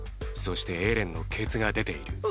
そしてエレンのケツが出ている。